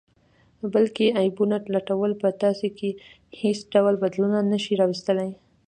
بل کې عیبونه لټول په تاسې کې حیڅ ډول بدلون نه شي راوستلئ